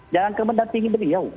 jangan kemenampingi beliau